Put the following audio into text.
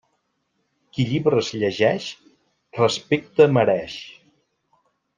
Qui llibres llegeix, respecte mereix.